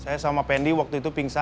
saya sama pendi waktu itu pingsan